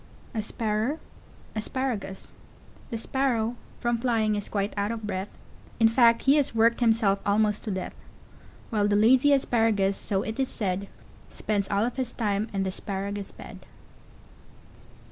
A Sparrer. Asparagus. [Illustration: A Sparrer. Asparagus.] The Sparrow, from flying, is quite out of breath, In fact he has worked himself almost to death, While the lazy Asparagus, so it is said, Spends all of his time in the 'sparagus bed.